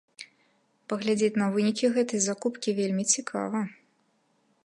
Паглядзець на вынікі гэтай закупкі вельмі цікава.